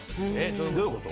どういうこと？